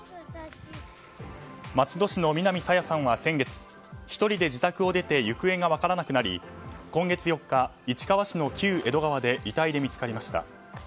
松戸市の南朝芽さんは先月１人で自宅を出て行方が分からなくなり今月４日、市川市の旧江戸川で遺体で見つかりました。